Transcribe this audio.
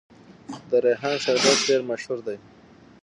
د ریحان شربت ډیر مشهور دی.